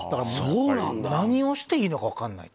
何をしていいのか分からないって。